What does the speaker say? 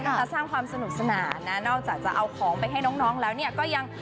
จะสร้างความสนุกสนานนะนอกจากจะเอาของไปให้น้องแล้วเนี่ยก็ยัง